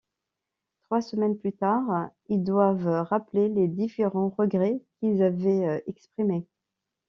Trois semaines plus tard ils doivent rappeler les différents regrets qu’ils avaient exprimés.